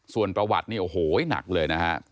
ส่วนประวัติเนี่ยโอ้โหหนักเลยนะฮะ